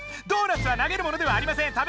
ドーナツはなげるものではありません。